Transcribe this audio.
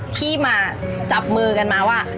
ที่มาจับมือกันมาว่า